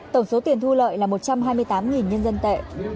tổng số tiền thu lợi là một trăm hai mươi tám nhân dân tệ